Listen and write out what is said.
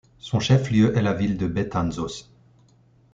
Son chef-lieu est la ville de Betanzos.